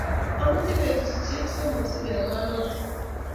amache petushek somok si kemwaa notok